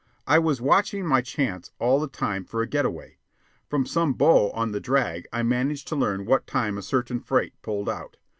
I was watching my chance all the time for a get away. From some bo on the drag I managed to learn what time a certain freight pulled out.